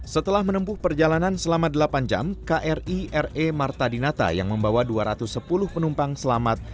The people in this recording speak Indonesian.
setelah menempuh perjalanan selama delapan jam kri re marta dinata yang membawa dua ratus sepuluh penumpang selamat